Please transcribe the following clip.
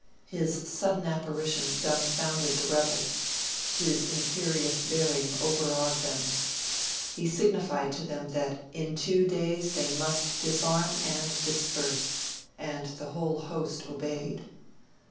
His sudden apparition dumbfounded the rebels; his imperious bearing overawed them; he signified to them that in two days they must disarm and disperse; and the whole host obeyed.